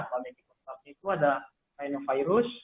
walau yang dikontrolnya itu ada coronavirus